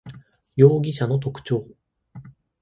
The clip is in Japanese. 容疑者の特徴